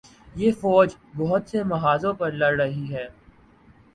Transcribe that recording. یہ فوج بہت سے محاذوںپر لڑ رہی ہے۔